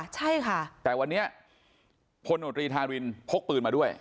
ใช่ค่ะแต่วันนี้พลโนตรีทารินพกปืนมาด้วย